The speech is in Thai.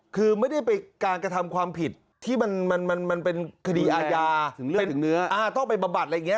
คือไม่ได้ไปการกระทำความผิดที่มันเป็นคดีอาญาถึงเลือดถึงเนื้อต้องไปบำบัดอะไรอย่างนี้